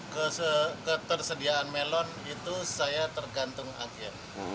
ketersediaan melon itu saya tergantung agen